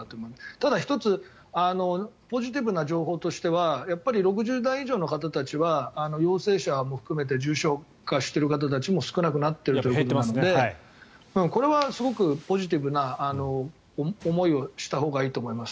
ただ、１つポジティブな情報としてはやっぱり６０代以上の方たちは陽性者も含めて重症化している方たちも少なくなっているのでこれはすごくポジティブな思いをしたほうがいいと思います。